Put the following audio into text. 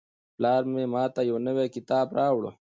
پلار مې ماته یو نوی کتاب راوړ.